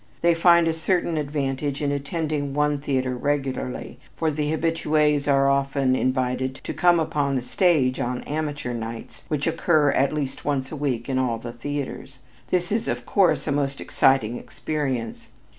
They find a certain advantage in attending one theater regularly, for the habitués are often invited to come upon the stage on "amateur nights," which occur at least once a week in all the theaters. This is, of course, a most exciting experience.